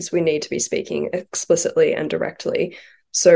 kita harus berbicara secara eksplisit dan langsung